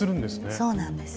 そうなんです。